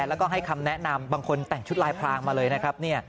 แล้วก็ให้คำแนะนำบางคนแต่งชุดลายพรางมาเลยนะครับ